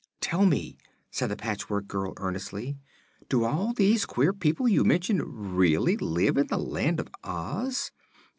"Tell me," said the Patchwork Girl earnestly, "do all those queer people you mention really live in the Land of Oz?"